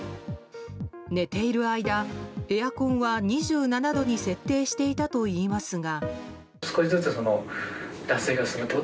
寝ている間、エアコンは２７度に設定していたといいますが。